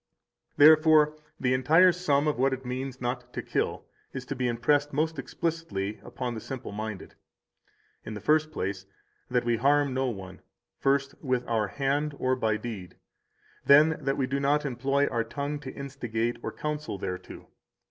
188 Therefore the entire sum of what it means not to kill is to be impressed most explicitly upon the simple minded. In the first place, that we harm no one, first, with our hand or by deed. Then, that we do not employ our tongue to instigate or counsel thereto.